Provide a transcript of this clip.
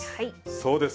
そうです